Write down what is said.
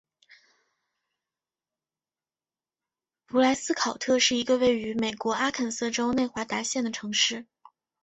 蒲莱斯考特是一个位于美国阿肯色州内华达县的城市。